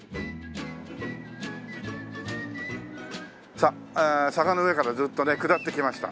さあ坂の上からずっとね下ってきました。